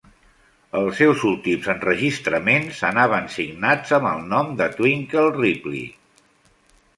Els seus últims enregistraments anaven signats amb el nom de Twinkle Ripley.